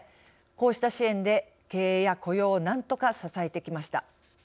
こうした支援で経営や雇用をなんとか支えてきました。